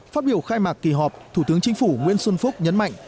phát biểu khai mạc kỳ họp thủ tướng chính phủ nguyễn xuân phúc nhấn mạnh